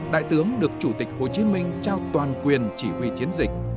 đại tướng được chủ tịch hồ chí minh trao toàn quyền chỉ huy chiến dịch